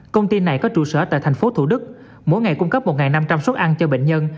công ty này có trụ sở tại thành phố thủ đức mỗi ngày cung cấp một năm trăm linh suất ăn cho bệnh nhân